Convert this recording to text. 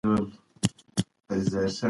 هغه د اصفهان له فتحې وروسته خپل واک وغځاوه.